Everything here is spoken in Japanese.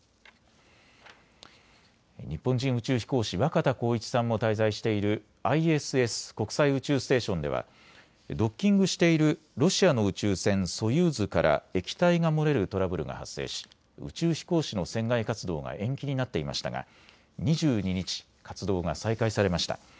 日本人宇宙飛行士、若田光一さんも滞在しているＩＳＳ・国際宇宙ステーションではドッキングしているロシアの宇宙船ソユーズから液体が漏れるトラブルが発生し宇宙飛行士の船外活動が延期になっていましたが２２日、活動が再開されました。